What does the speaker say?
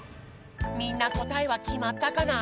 みんなこたえはきまったかな？